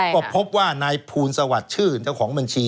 ก็พบว่านายภูนึษวัฏชื่อเจ้าของบัญชี